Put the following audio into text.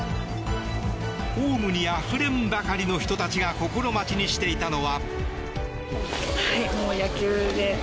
ホームにあふれんばかりの人たちが心待ちにしていたのは。